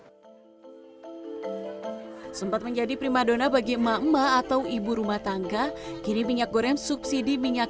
hai sempat menjadi primadona bagi emak emak atau ibu rumah tangga kiri minyak goreng subsidi minyak